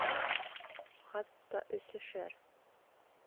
Хатта өсөшәр.